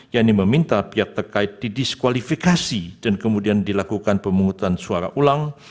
yang diminta pihak terkait didiskualifikasi dan kemudian dilakukan pemungutan suara ulang